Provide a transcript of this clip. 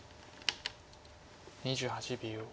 ２８秒。